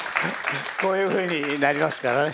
こういうふうになりますからね。